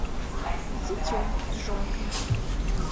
З дзіцём, з жонкай.